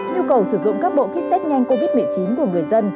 nhu cầu sử dụng các bộ kit test nhanh covid một mươi chín của người dân